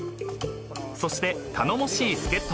［そして頼もしい助っ人も］